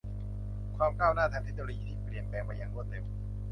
ความก้าวหน้าทางเทคโนโลยีที่เปลี่ยนแปลงไปอย่างรวดเร็ว